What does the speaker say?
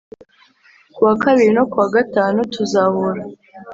ku wa kabiri no ku wa gatanu tuzahura